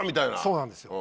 そうなんですよ。